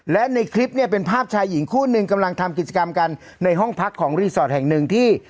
และในคลิปเนี่ยเป็นภาพชายหญิงคู่หนึ่งกำลังทำกิจกรรมกันในห้องพักของรีสอร์ทแห่งหนึ่งที่